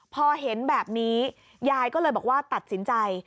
พอเห็นแบบนี้ยายก็เลยบอกว่าตัดสินใจ